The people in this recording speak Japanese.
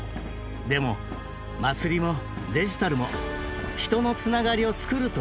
でも祭りもデジタルも人のつながりを作るという点では同じ。